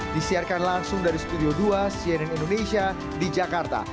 disiarkan langsung dari studio dua cnn indonesia di jakarta